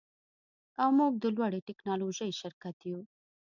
او موږ د لوړې ټیکنالوژۍ شرکت یو